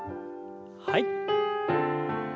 はい。